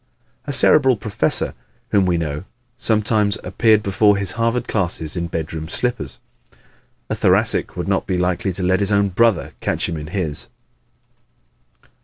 A Cerebral professor whom we know sometimes appeared before his Harvard classes in bedroom slippers. A Thoracic would not be likely to let his own brother catch him in his!